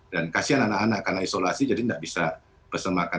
dan kasihan anak anak karena isolasi jadi nggak bisa bersama makan